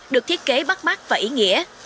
được thiết kế bắt mắt và ý nghĩa